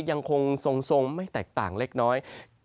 ยังคงทรงไม่แตกต่างเล็กน้อย